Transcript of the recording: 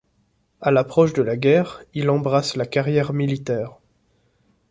A l’approche de la guerre, il embrasse la carrière militaire.